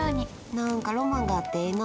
何かロマンがあってええな。